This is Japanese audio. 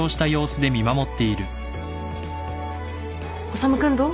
修君どう？